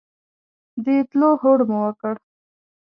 د تلو هوډ مو وکړ.